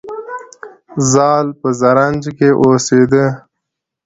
زال په زرنج کې اوسیده